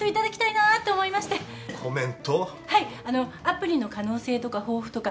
アプリの可能性とか抱負とか。